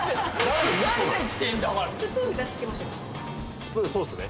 スプーン、そうっすね。